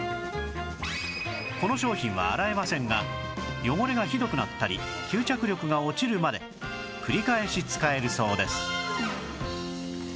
この商品は洗えませんが汚れがひどくなったり吸着力が落ちるまで繰り返し使えるそうです